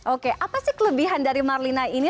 oke apa sih kelebihan dari marlina ini